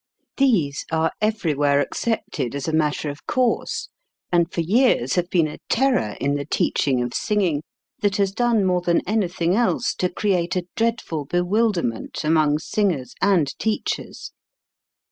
These are every where accepted as a matter of course, and for years have been a terror in the teaching of singing, that has done more than anything else to create a dreadful bewilderment among singers and teachers.